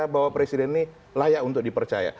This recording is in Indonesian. bahwa presiden ini layak untuk dipercaya